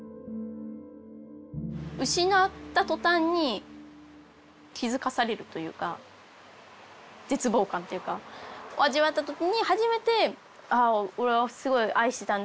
失った途端に気付かされるというか絶望感というかを味わった時に初めて「ああすごい愛してたんだ。